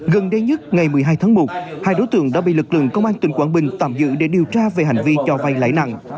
gần đây nhất ngày một mươi hai tháng một hai đối tượng đã bị lực lượng công an tỉnh quảng bình tạm giữ để điều tra về hành vi cho vay lãi nặng